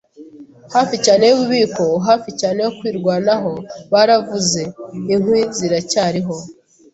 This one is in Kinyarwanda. Hafi cyane yububiko - hafi cyane yo kwirwanaho, baravuze - inkwi ziracyariho